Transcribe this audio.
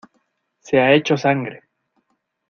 se ha hecho sangre.